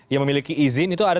yang memiliki izin itu ada